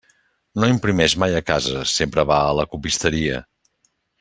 No imprimeix mai a casa, sempre va a la copisteria.